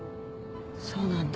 そうなんだ。